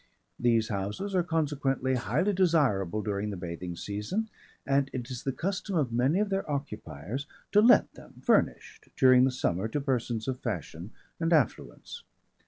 These houses are consequently highly desirable during the bathing season, and it is the custom of many of their occupiers to let them furnished during the summer to persons of fashion and affluence.